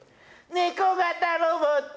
ネコ型ロボット。